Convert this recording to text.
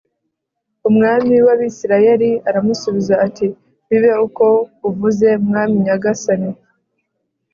Umwami w’Abisirayeli aramusubiza ati “Bibe uko uvuze, mwami nyagasani